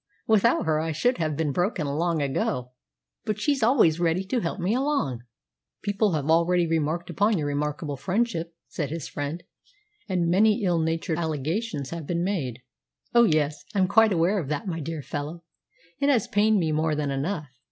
Without her I should have been broken long ago. But she's always ready to help me along." "People have already remarked upon your remarkable friendship," said his friend, "and many ill natured allegations have been made." "Oh, yes, I'm quite well aware of that, my dear fellow. It has pained me more than enough.